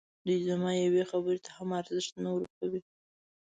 دوی زما یوې خبري ته هم ارزښت نه ورکوي.